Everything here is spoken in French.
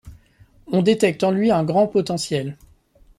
On détecte en lui un grand potentiel.